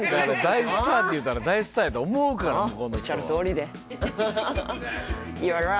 大スターって言うたら大スターやと思うから向こうの人は。